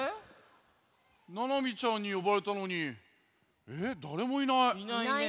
ななみちゃんによばれたのにえっだれもいない。